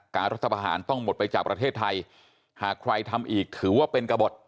กับประเทศไทยหากใครทำอีกถือว่าเป็นกระบด